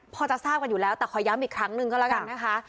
พอจะทราบกันอยู่แล้วแต่ขอย้ำอีกครั้งหนึ่งก็แล้วกันนะคะ